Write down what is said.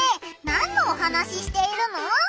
なんのお話しているの？